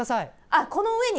あこの上に？